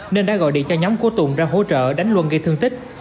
nên đã gọi điện cho nhóm của tùng ra hỗ trợ đánh luân gây thương tích